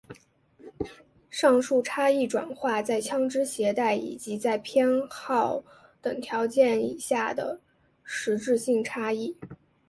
上述差异转化成在枪枝携带以及在偏好等条件以下的实质性差异。